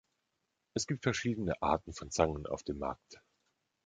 Es gibt verschiedene Arten von Zangen auf dem Markt.